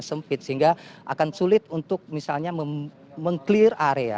sempit sehingga akan sulit untuk misalnya meng clear area